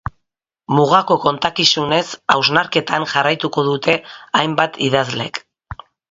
Mugako kontakizunez hausnarketan jarraituko dute hainbat idazlek.